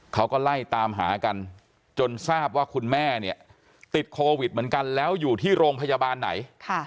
เขาก็ไล่ตามหากันจนทราบว่าคุณแม่เนี่ยติดโควิดเหมือนกันแล้วอยู่ที่โรงพยาบาลไหน